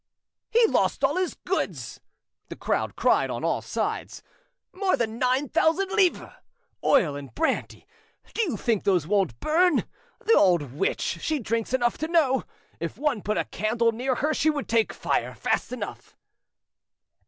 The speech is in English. "He lost all his goods!" the crowd cried on all sides. "More than nine thousand livres! Oil and brandy, do you think those won't burn? The old witch, she drinks enough to know! If one put a candle near her she would take fire, fast enough!"